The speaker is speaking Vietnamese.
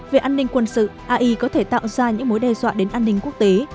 về an ninh quân sự ai có thể tạo ra những mối đe dọa đến an ninh quốc tế